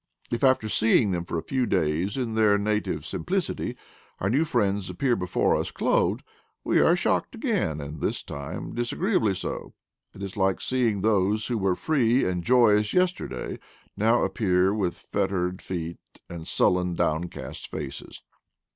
If, after seeing them for a few days in their native simplicity, our new friends appear before u0 clothed, we are shocked again, and this time dis agreeably so ; it is like seeing those who were free and joyous yesterday now appear with fettered feet and sullen downcast faces.